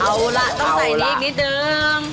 เอาล่ะต้องใส่นี้อีกนิดนึง